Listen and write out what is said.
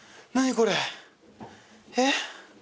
これえっ？